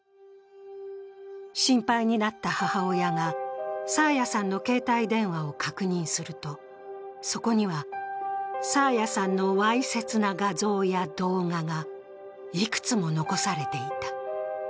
心配になった母親が、爽彩さんの携帯電話を確認すると、そこには、爽彩さんのわいせつな画像や動画がいくつも残されていた。